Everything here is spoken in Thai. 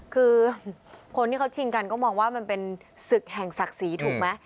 คือคนที่เขาชิงกันก็มองว่ามันเป็นศึกแห่งศักดิ์ศรีถูกไหม